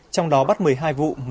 trong đó bắt một mươi hai vụ